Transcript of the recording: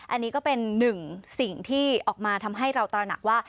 อันนี้ก็เป็นหนึ่งสิ่งที่ออกมาทำให้เราตระหนักว่า